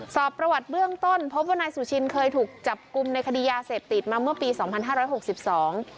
สอบประวัติเบื้องต้นพบว่านายสุชินเคยถูกจับกลุ่มในคดียาเสพติดมาเมื่อปีสองพันห้าร้อยหกสิบสอง